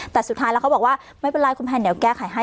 แต่สุดท้ายแล้วเขาบอกว่าไม่เป็นไรคุณแนนเดี๋ยวแก้ไขให้